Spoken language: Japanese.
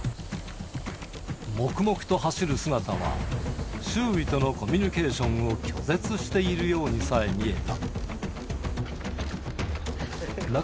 黙々と走る姿は、周囲とのコミュニケーションを拒絶しているようにさえ見えた。